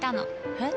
えっ？